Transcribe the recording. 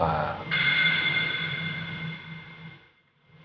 aku baru saja telpon pesanmu